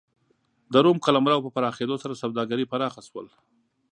د روم قلمرو په پراخېدو سره سوداګري پراخ شول.